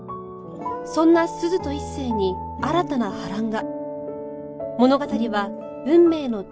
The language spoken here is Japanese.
そんな鈴と一星に新たな波乱が